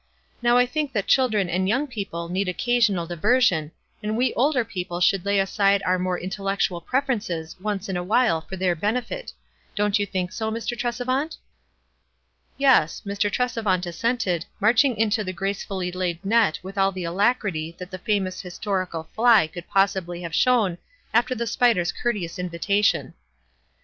Now 224 WISE AND OTHERWISE. I think that children and young people need oc casional diversion, and we older people should lay aside our more intellectual preferences once in a while for their benefit. Don'i you think so, Mr. Tresevant?" Yes ; Mr. Tresevant assented, marching into the gracefully laid net with all the alacrity that the famous historical fly could possibly have shown after the spider's courteous invitation.